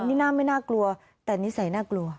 นี่น่าไม่น่ากลัวแต่นิสัยน่ากลัว